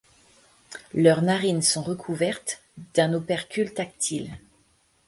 Leurs narines sont recouvertes d'un opercule tactile.